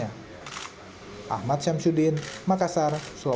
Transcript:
kemarin lagi keikaan penduduknya sudah